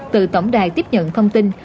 từ tổng đài tiếp nhận thông tin